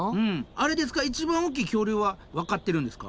あれですか一番大きい恐竜はわかってるんですか？